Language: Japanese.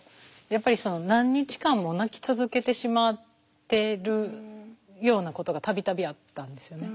やっぱり何日間も泣き続けてしまってるようなことが度々あったんですよね。